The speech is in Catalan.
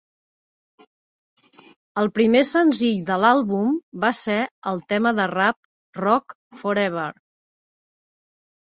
El primer senzill de l'àlbum va ser el tema de rap rock "Forever".